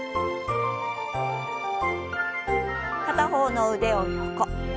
片方の腕を横。